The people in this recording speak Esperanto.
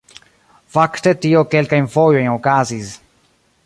Fakte tio kelkajn fojojn okazis